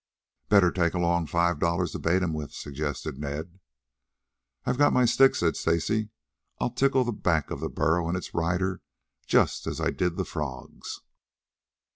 "Better take along five dollars to bait him with," suggested Ned. "I've got my stick," said Stacy. "I'll tickle the back of the burro and its rider, just as I did the frogs."